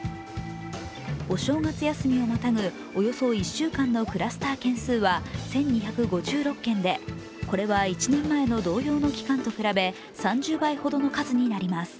お正月休みをまたぐおよそ１週間のクラスター件数は１２５６件でこれは１年前の同様の期間と比べ３０倍ほどの数になります。